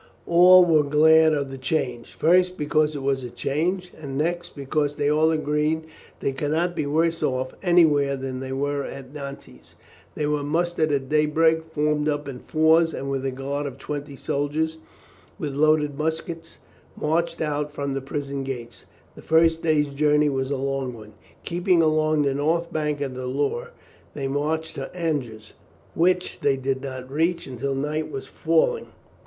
All were glad of the change, first, because it was a change, and next, because they all agreed they could not be worse off anywhere than they were at Nantes. They were mustered at daybreak, formed up in fours, and with a guard of twenty soldiers with loaded muskets marched out from the prison gates. The first day's journey was a long one. Keeping along the north bank of the Loire, they marched to Angers, which they did not reach until night was falling.